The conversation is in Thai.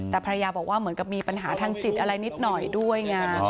แต่ภรรยาบอกว่าเหมือนกับมีปัญหาทางจิตอะไรนิดหน่อยด้วยไง